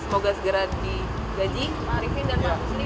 semoga segera digaji pak arifin dan pak rusli